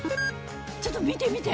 ちょっと見て見て！